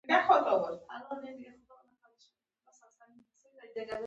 د کابل هوايي ډګر له ښار سره څومره نږدې دی؟